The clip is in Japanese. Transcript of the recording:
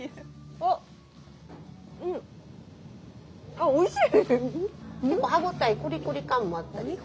あっおいしい！